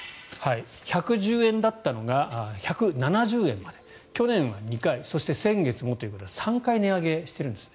１１０円だったのが１７０円まで去年は２回そして先月もということで３回値上げしているんですね。